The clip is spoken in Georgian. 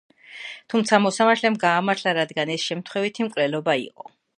თუმცა მოსამართლემ გაამართლა, რადგან ეს შემთხვევითი მკვლელობა იყო.